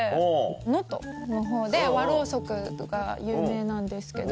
能登のほうで和ろうそくとかが有名なんですけど。